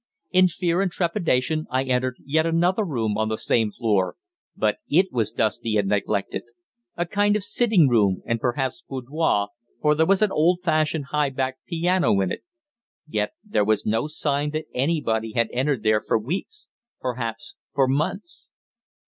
In fear and trepidation I entered yet another room on the same floor, but it was dusty and neglected a kind of sitting room, or perhaps boudoir, for there was an old fashioned high backed piano in it. Yet there was no sign that anybody had entered there for weeks perhaps for months.